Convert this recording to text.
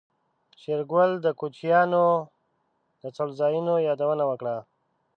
شېرګل د کوچيانو د څړځايونو يادونه وکړه.